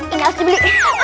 ini harus dibeli